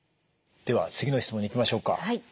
では次の質問にいきましょうか。